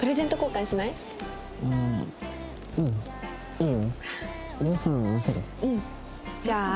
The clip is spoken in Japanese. うん。